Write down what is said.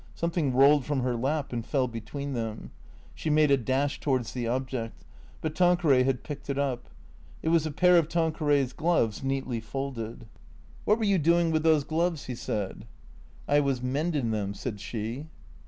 Something rolled from her lap and fell between them. She made a dash towards the object. But Tanqueray had picked it up. It was a pair of Tanqueray's gloves, neatly folded. 506 THECREATOES " What were you doing with those gloves ?" he said. " I was mendin' them," said she.